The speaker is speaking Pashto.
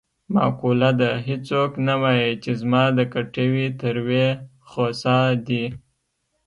معقوله ده: هېڅوک نه وايي چې زما د کټوې تروې خسا دي.